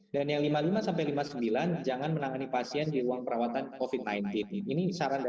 dan yang lima puluh lima lima puluh sembilan jangan menangani pasien di ruang perawatan covid sembilan belas